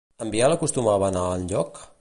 En Biel acostumava a anar enlloc?